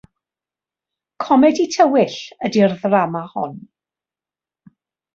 Comedi tywyll yw'r ddrama hon.